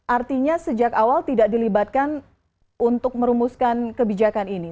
artinya sejak awal tidak dilibatkan untuk merumuskan kebijakan ini